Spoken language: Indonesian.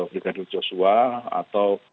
brigadir joshua atau